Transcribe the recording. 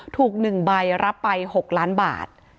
ถูก๑ใบรับไป๖ล้านบาท